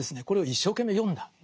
これを一生懸命読んだ。